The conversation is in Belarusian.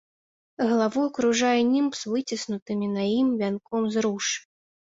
Галаву акружае німб з выціснутым на ім вянком з руж.